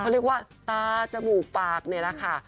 เขาเรียกว่าตาจมูกปากนี่แหละค่ะ